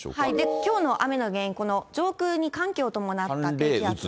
きょうの雨の原因、この上空に寒気を伴った低気圧。